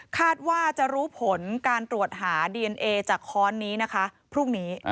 คาดว่าจะรู้ผลการตรวจหาดีเอนเอจากค้อนนี้นะคะพรุ่งนี้